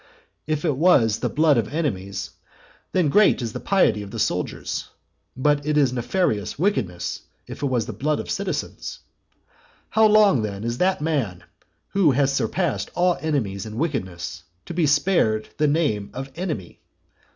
If it was the blood of enemies, then great is the piety of the soldiers; but it is nefarious wickedness if it was the blood of citizens. How long, then, is that man, who has surpassed all enemies in wickedness, to be spared the name of enemy?